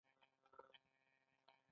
هغه نوي تولیدي ماشینونه په کار اچوي